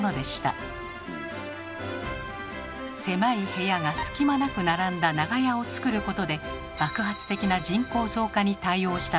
狭い部屋が隙間なく並んだ長屋をつくることで爆発的な人口増加に対応したのです。